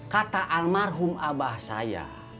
kata almarhum abah saya